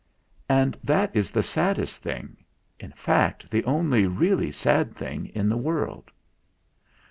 And that is the saddest thing in fact, the only really sad thing in the world."